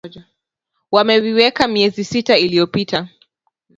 wameviweka miezi sita iliyopita